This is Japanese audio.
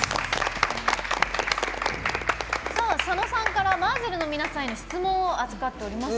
佐野さんからＭＡＺＺＥＬの皆さんへの質問を預かっております。